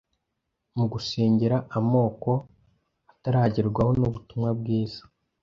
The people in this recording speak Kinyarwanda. mu gusengera amoko ataragerwaho n’ubutumwa bwiza,